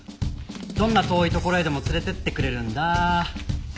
どんな遠い所へでも連れていってくれるんだ。